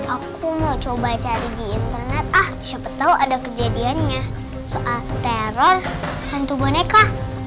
aku tuh mau coba cari di internet ah siapa tahu ada kejadiannya soal teror hantu boneka